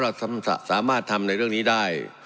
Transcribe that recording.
สามารถทำในเรื่องนี้ได้